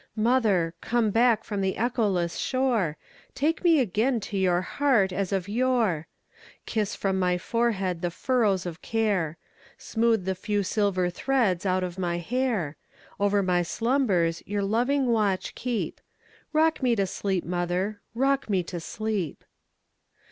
Mother, come back from the echoless shore, Take me again to your heart as of yore; Kiss from my forehead the furrows of care, Smooth the few silver threads out of my hair; Over my slumbers your loving watch keep;—Rock me to sleep, mother,—rock me to sleep!